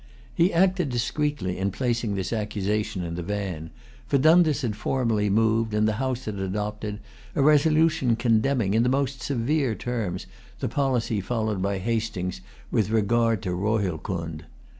He acted discreetly in placing this accusation in the van; for Dundas had formerly moved, and the House had adopted, a resolution condemning, in the most severe terms, the policy followed by Hastings with regard to Rohilcund.